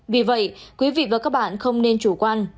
vì vậy quý vị và các bạn không nên chủ quan